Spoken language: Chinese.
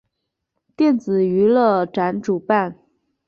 电子娱乐展主办。